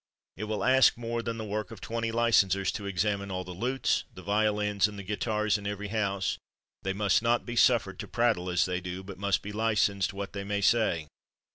It will ask more than the work of twenty licensers to examine all the lutes, the violins, and the guitars in every house ; they must not be suffered to prattle as they do, but must be licensed what they may say.